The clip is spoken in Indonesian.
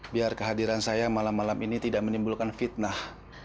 biar kehadiran saya malam malam ini tidak menimbulkan fitnah